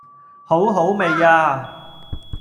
好好味呀